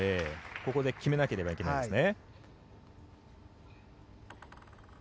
ここで決めなければいけないですね。